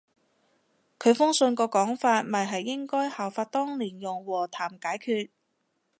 佢封信個講法咪係應該效法當年用和談解決